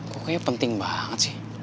kok kayaknya penting banget sih